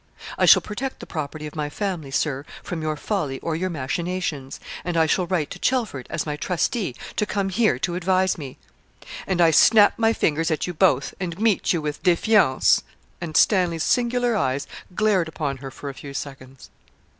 'I shall protect the property of my family, Sir, from your folly or your machinations; and I shall write to Chelford, as my trustee, to come here to advise me.' 'And I snap my fingers at you both, and meet you with defiance;' and Stanley's singular eyes glared upon her for a few seconds.